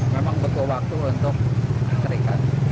memang butuh waktu untuk terikat